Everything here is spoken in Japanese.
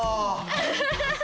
ハハハハ！